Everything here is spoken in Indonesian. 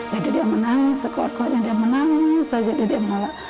jadi dia menangis keluar keluarnya dia menangis jadi dia menolak